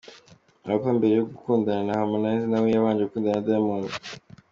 Wolper mbere yo gukundana na Harmonizer nawe yabanje gukundana na Diamond.